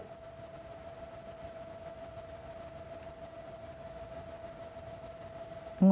หายหาย